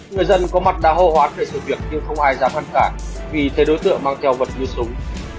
người dân có mặt đã hô hoát về sự việc nhưng không ai dám ngăn cản vì thấy đối tượng mang theo vật như súng